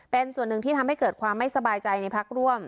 เป็นส่วนหนึ่งที่ทำให้เกิดความไม่สบายใจในพักร่วม